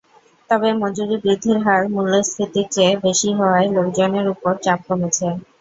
তবে মজুরি বৃদ্ধির হার মূল্যস্ফীতির চেয়ে বেশি হওয়ায় লোকজনের ওপর চাপ কমেছে।